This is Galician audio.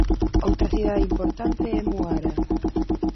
Outra cidade importante é Muara.